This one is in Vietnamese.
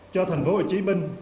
cho thành phố hồ chí minh